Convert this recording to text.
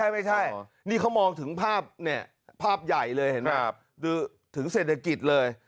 ไม่ใช่นี่เขามองถึงภาพใหญ่เลยเห็นไหมถึงเศรษฐกิจเลย